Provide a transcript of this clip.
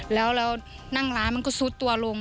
แล้วนั่งร้านมันก็ซุดตัวลง